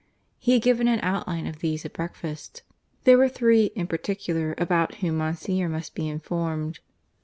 He had given an outline of these at breakfast. There were three in particular about whom Monsignor must be informed.